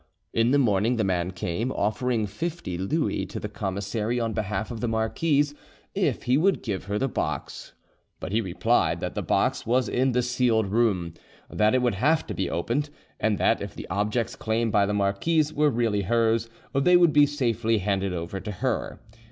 In the morning the man came, offering fifty Louis to the commissary on behalf of the marquise, if he would give her the box. But he replied that the box was in the sealed room, that it would have to be opened, and that if the objects claimed by the marquise were really hers, they would be safely handed over to her.